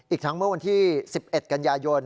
อีกทั้งเมื่อวันที่๑๑กันยายน